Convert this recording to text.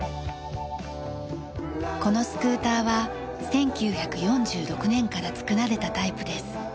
このスクーターは１９４６年から作られたタイプです。